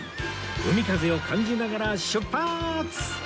海風を感じながら出発！